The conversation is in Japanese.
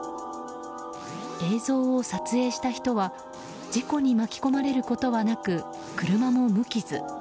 映像を撮影した人は事故に巻き込まれることはなく車も無傷。